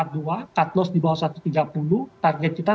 cut cut loss di bawah satu ratus tiga puluh target kita